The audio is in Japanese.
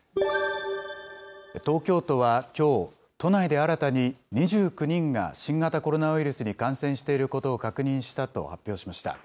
東京都はきょう、都内で新たに２９人が新型コロナウイルスに感染していることを確認したと発表しました。